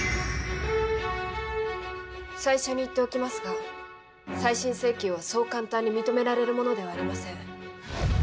最初に言っておきますが再審請求はそう簡単に認められるものではありません。